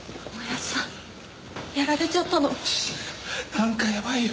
なんかやばいよ。